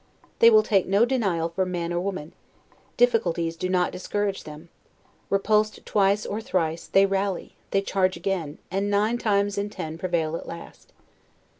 They will take no denial from man or woman; difficulties do not discourage them; repulsed twice or thrice, they rally, they charge again, and nine times in ten prevail at last.